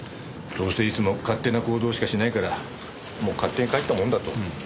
どうせいつも勝手な行動しかしないからもう勝手に帰ったもんだと。